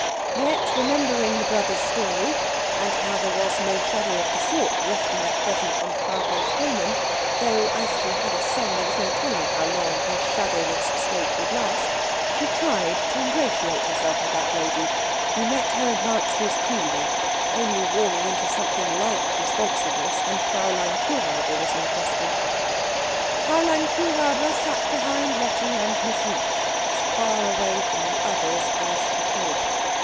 Yet remembering the brother's story, and how there was no shadow of the sort resting at present on Frau von Treumann, though as she had a son there was no telling how long her shadowless state would last, she tried to ingratiate herself with that lady, who met her advances coolly, only warming into something like responsiveness when Fräulein Kuhräuber was in question. Fräulein Kuhräuber sat behind Letty and Miss Leech, as far away from the others as she could.